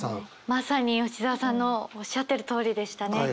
まさに吉澤さんのおっしゃってるとおりでしたね。